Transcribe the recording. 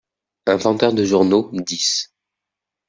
Un Vendeur de Journaux : dix…